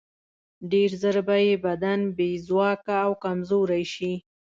ډېر ژر به یې بدن بې ځواکه او کمزوری شي.